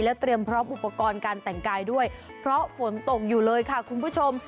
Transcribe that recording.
เตรียมพร้อมอุปกรณ์การแต่งกายด้วยเพราะฝนตกอยู่เลยค่ะคุณผู้ชม